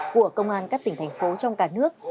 của công an các tỉnh thành phố trong cả nước